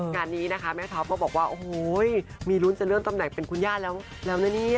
งานนี้แม่ท็อปมาบอกว่าโอ้โฮมีรุนจะเริ่มตำแหน่งเป็นคุณญาติแล้วนะเนี่ย